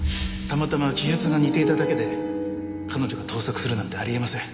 たまたま記述が似ていただけで彼女が盗作するなんてあり得ません。